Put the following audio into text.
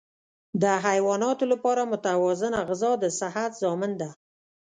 د حیواناتو لپاره متوازنه غذا د صحت ضامن ده.